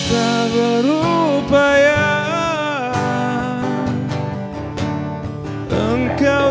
tidak ada yang takut